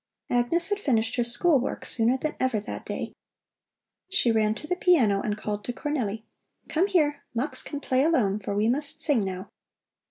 Agnes had finished her school work sooner than ever that day. She ran to the piano and called to Cornelli: "Come here! Mux can play alone, for we must sing now."